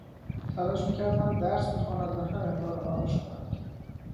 تلاش میکرد هم درس بخواند و هم امرار معاش کند.